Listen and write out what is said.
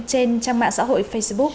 trên trang mạng xã hội facebook